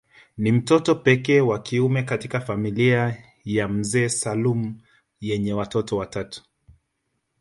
Ni mtoto pekee ya kiume katika familia ya mzee Salum yenye watoto watatu